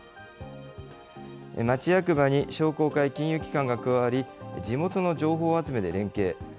町役場に商工会、金融機関が加わり、地元の情報集めで連携。